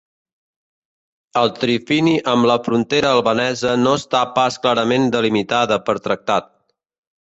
El trifini amb la frontera albanesa no està pas clarament delimitada per tractat.